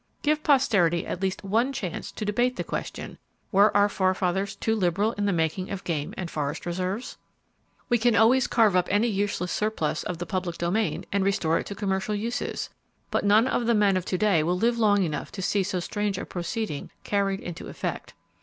Give Posterity at least one chance to debate the question: "Were our forefathers too liberal in the making of game and forest reserves?" [Page 336] We can always carve up any useless surplus of the public domain, and restore it to commercial uses; but none of the men of to day will live long enough to see so strange a proceeding carried into effect.